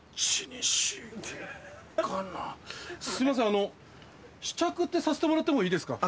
あの試着ってさせてもらってもいいですか？